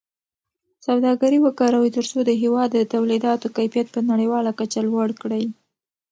سوداګري وکاروئ ترڅو د هېواد د تولیداتو کیفیت په نړیواله کچه لوړ کړئ.